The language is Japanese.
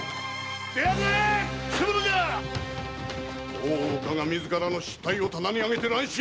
大岡が自らの失態を棚に上げて乱心！